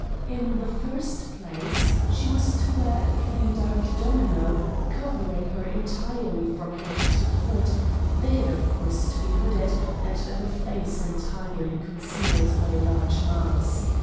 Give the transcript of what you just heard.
In the first place she was to wear a plain dark domino covering her entirely from head to foot, the head, of course, to be hooded and the face entirely concealed by a large mask.